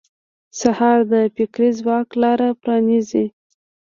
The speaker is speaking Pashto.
سهار د فکري ځواک لاره پرانیزي.